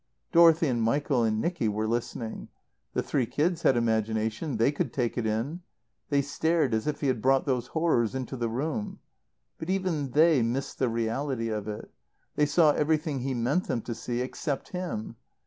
Dorothy and Michael and Nicky were listening. The three kids had imagination; they could take it in. They stared as if he had brought those horrors into the room. But even they missed the reality of it. They saw everything he meant them to see, except him.